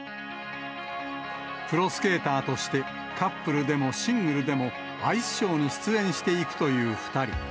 プロスケーターとして、カップルでもシングルでも、アイスショーに出演していくという２人。